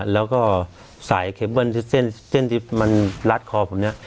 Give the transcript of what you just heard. แล้วก็สายเคเบิ้ลเส้นที่มันลัดคอผมเนี่ย